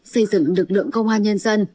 xây dựng lực lượng công an nhân dân